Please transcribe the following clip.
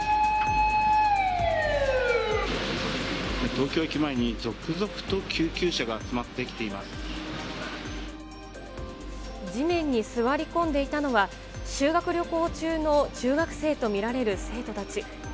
東京駅前に続々と救急車が集地面に座り込んでいたのは、修学旅行中の中学生と見られる生徒たち。